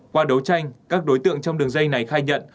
qua đấu tranh các đối tượng trong đường dây này khai nhận